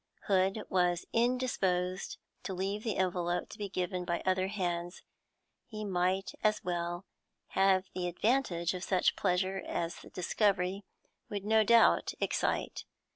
Hood was indisposed to leave the envelope to be given by other hands; he might as well have the advantage of such pleasure as the discovery would no doubt excite.